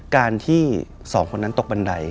การที่๒คนนั้นตกบันได